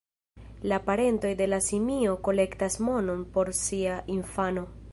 La parentoj de la simio kolektas monon por sia infano.